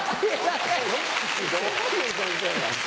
どういう先生だ。